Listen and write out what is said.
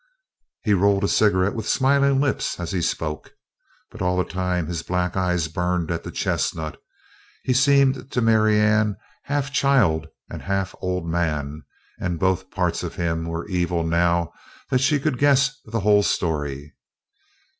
He rolled a cigarette with smiling lips as he spoke, but all the time his black eyes burned at the chestnut. He seemed to Marianne half child and half old man, and both parts of him were evil now that she could guess the whole story.